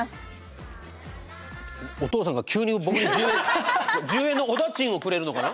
おとうさんが急に僕に１０円のお駄賃をくれるのかな？